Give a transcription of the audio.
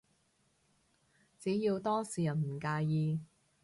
只要當事人唔介意